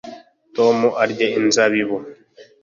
tom arya inzabibu